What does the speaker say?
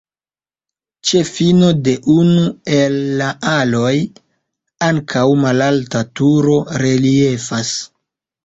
Ĉe fino de unu el la aloj ankaŭ malalta turo reliefas.